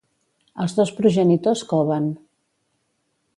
Els dos progenitors coven.